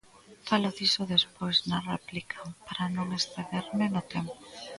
Falo diso despois, na réplica, para non excederme no tempo.